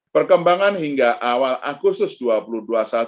perkembangan hingga awal agustus dua ribu dua puluh satu